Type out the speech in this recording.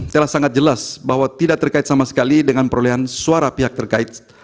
telah sangat jelas bahwa tidak terkait sama sekali dengan perolehan suara pihak terkait